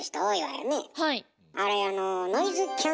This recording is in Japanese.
はい。